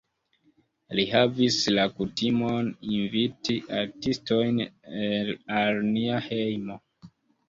Li havis la kutimon inviti artistojn al nia hejmo.